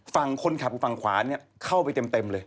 ฝั่งคนขับฝั่งขวาเข้าไปเต็มเลย